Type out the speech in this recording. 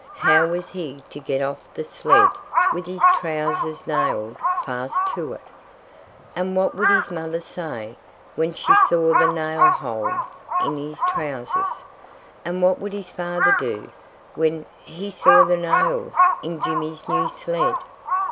How was he to get off the sled with his trousers nailed fast to it? And what would his mother say, when she saw the nail holes in his trousers? And what would his father do, when he saw the nails in Jimmy's new sled?